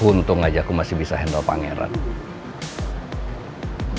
untung aja aku masih bisa handle pangeran